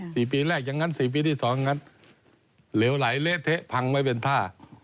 สี่ปีแรกอย่างงั้นสี่ปีที่สองงัดเหลวไหลเละเทะพังไม่เป็นท่า